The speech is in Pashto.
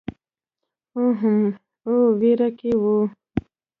وهم او وېره کې وو.